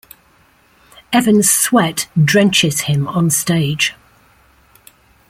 Evans' sweat drenches him on stage.